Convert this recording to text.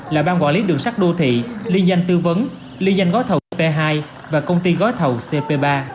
là ban quản lý đường sắc đô thị liên doanh tư vấn liên doanh gói thầu cp hai và công ty gói thầu cp ba